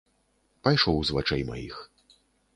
Пайшоў з вачэй маіх.